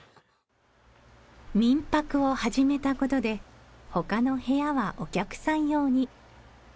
民泊を始めたことで他の部屋はお客さん用に。